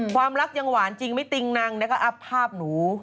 ความรักยังหวานจริงไม่ติงนังแล้วก็อัพภาพหนู